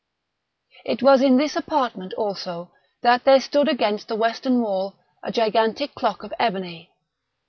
It was in this apartment, also, that there stood against the western wall, a gigantic clock of ebony.